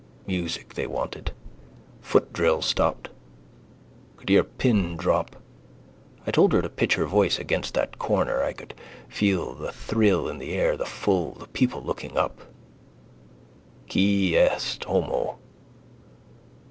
Music they wanted. Footdrill stopped. Could hear a pin drop. I told her to pitch her voice against that corner. I could feel the thrill in the air, the full, the people looking up: _Quis est homo.